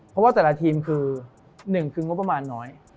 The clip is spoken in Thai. เพราะว่าแต่ละทีมคือ๑คืองบประมาณน้อย